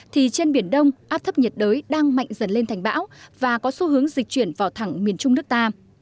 thì trên biển đông áp thấp nhiệt đới đang mạnh dần lên thành bão và có xu hướng dịch chuyển vào thẳng miền trung nước ta